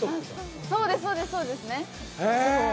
そうです、そうですね。